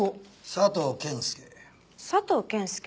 佐藤謙介。